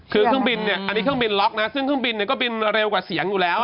คือเครื่องบินเนี่ยอันนี้เครื่องบินล็อกนะซึ่งเครื่องบินก็บินเร็วกว่าเสียงอยู่แล้ว